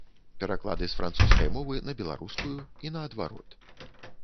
Пераклады з французскай мовы на беларускую і наадварот.